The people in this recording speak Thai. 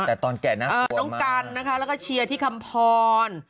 แต่ตอนแจ๋วน่ากลัวมากต้องการนะคะแล้วก็เชียร์ที่คำพร